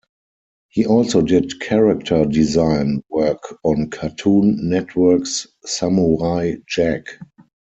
He also did character design work on Cartoon Network's "Samurai Jack".